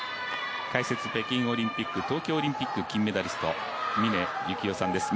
解説、東京オリンピック北京オリンピック金メダリスト峰幸代さんです